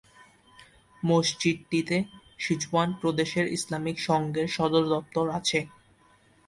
মসজিদটিতে Sichuan প্রদেশের Islamic সংঘের সদর দফতর আছে।